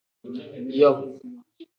Yom.